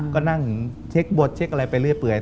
ก็นั่งเช็คบทเช็คอะไรไปเรื่อย